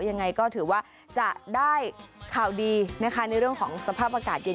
ยังไงก็ถือว่าจะได้ข่าวดีนะคะในเรื่องของสภาพอากาศเย็น